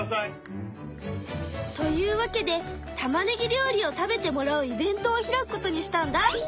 というわけでたまねぎ料理を食べてもらうイベントを開くことにしたんだ！